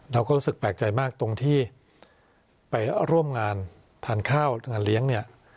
เราก็รู้สึกแปลกใจมากตรงที่ไปร่วมงานทานข้าวงานเลี้ยงเนี่ย